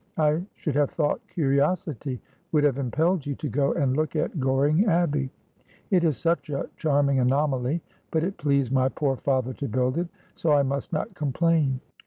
I should have thought curiosity would have impelled you to go and look at Goring Abbey. It is such a charming anomaly. But it pleased my poor father to build it, so I must not complain.'